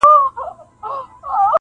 د وصال شېبه-